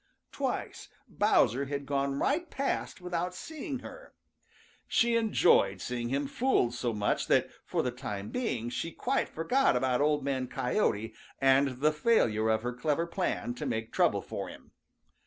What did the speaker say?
Twice Bowser had gone right past without seeing her. She enjoyed seeing him fooled so much that for the time being she quite forgot about Old Man Coyote and the failure of her clever plan to make trouble for him.